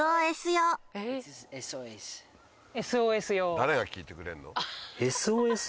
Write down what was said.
誰が聞いてくれるの？